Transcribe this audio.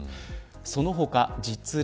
その他、実例